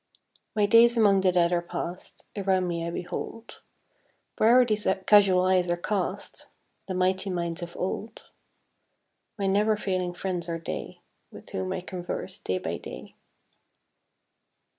My days among the Dead are past; Around me I behold, Where'er these casual eyes are cast, The mighty minds of old: My never failing friends are they, With whom I converse day by day.